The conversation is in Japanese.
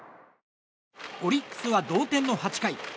オリックスは同点の８回。